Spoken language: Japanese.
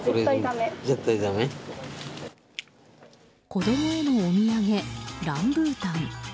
子供へのお土産ランブータン。